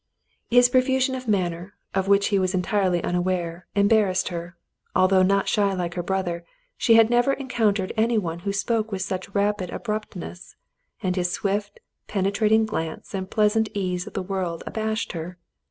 His profusion of manner, of which he was entirely un aware, embarrassed her ; although not shy like her brother, she had never encountered any one who spoke with such rapid abruptness, and his swift, penetrating glance and pleasant ease of the world abashed her.